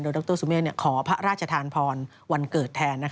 ดรสุเมฆขอพระราชทานพรวันเกิดแทน